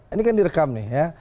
ini kan direkam nih